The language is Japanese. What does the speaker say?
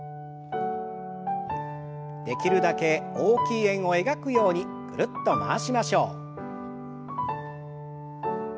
できるだけ大きい円を描くようにぐるっと回しましょう。